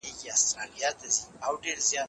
بې تفاوتي ټولنه له منځه وړي.